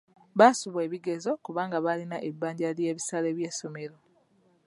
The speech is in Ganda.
Baasubwa ebigezo kubanga baalina ebbanja ly'ebisale by'essomero.